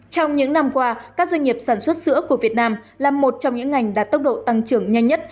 trong những năm qua các doanh nghiệp sản xuất sữa của việt nam là một trong những ngành đạt tốc độ tăng trưởng nhanh nhất